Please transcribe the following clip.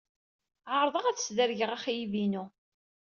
Ɛerḍeɣ ad sdergeɣ axeyyeb-inu.